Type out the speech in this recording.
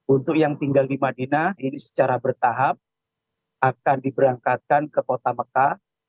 untuk yang tinggal di madinah ini secara bertahap akan diberangkatkan ke kota mekah